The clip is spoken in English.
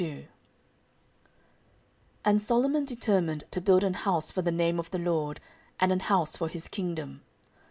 14:002:001 And Solomon determined to build an house for the name of the LORD, and an house for his kingdom.